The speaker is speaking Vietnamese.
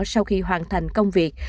sau khi hoàn thành công việc